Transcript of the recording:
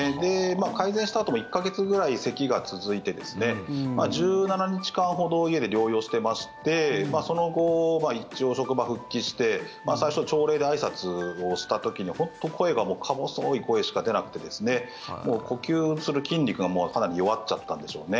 改善したあとも１か月ぐらいせきが続いて１７日間ほど家で療養していましてその後、一応職場復帰して最初、朝礼であいさつをした時に本当に声がか細い声しか出なくて呼吸する筋肉が、かなり弱っちゃったんでしょうね。